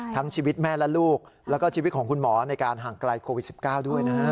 ทั้งชีวิตแม่และลูกแล้วก็ชีวิตของคุณหมอในการห่างไกลโควิด๑๙ด้วยนะฮะ